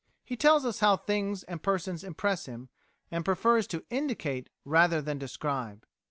He tells us how things and persons impress him, and prefers to indicate rather than describe.